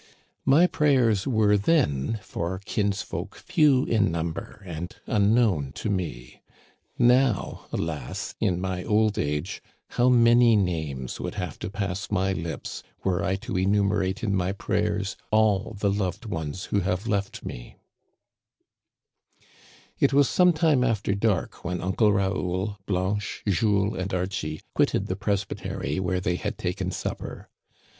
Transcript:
My prayers were then for kinsfolk few in number and unknown to me. Now, alas, in my old age, how many names would have to pass my lips were I to enumerate in my prayers all the loved ones who have left, me ! Digitized by VjOOQIC THE FEAST OF ST, JEAN^BAPTISTE. 12 J It was some time after dark when Uncle Raoul, Blanche, Jules, and Archie quitted the presbytery where they had taken supper.